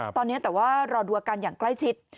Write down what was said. ตอนนี้แต่ว่ารอดูอาการอย่างใกล้ชิด